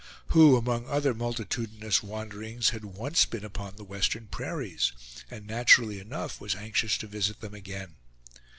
who, among other multitudinous wanderings, had once been upon the western prairies, and naturally enough was anxious to visit them again.